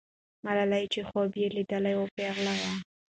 ملالۍ چې خوب یې لیدلی وو، پیغله وه.